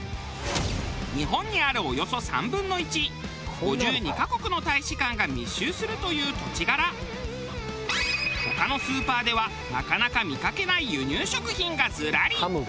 日本にあるおよそ３分の１５２カ国の大使館が密集するという土地柄他のスーパーではなかなか見かけない輸入食品がずらり。